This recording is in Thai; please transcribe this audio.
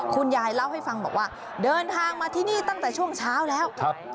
คุณยายเล่าให้ฟังบอกว่าเดินทางมาที่นี่ตั้งแต่ช่วงเช้าแล้ว